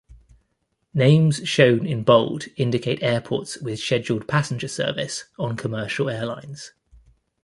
Names shown in bold indicate airports with scheduled passenger service on commercial airlines.